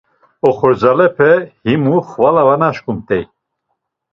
Oxorzalepe himu xvala va naşǩumt̆ey.